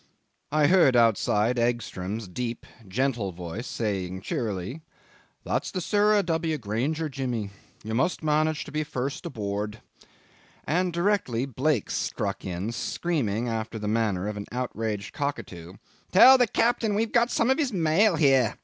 I heard outside Egstrom's deep gentle voice saying cheerily, "That's the Sarah W. Granger, Jimmy. You must manage to be first aboard"; and directly Blake struck in, screaming after the manner of an outraged cockatoo, "Tell the captain we've got some of his mail here.